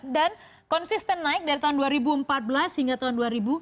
dan konsisten naik dari tahun dua ribu empat belas hingga tahun dua ribu tujuh belas